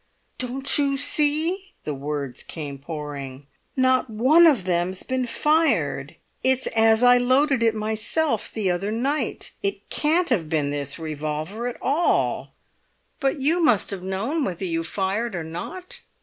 "Don't you see?" the words came pouring. "Not one of them's been fired—it's as I loaded it myself the other night! It can't have been this revolver at all!" "But you must have known whether you fired or not?"